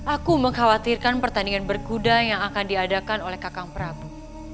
aku mengkhawatirkan pertandingan berkuda yang akan diadakan oleh kakang prabu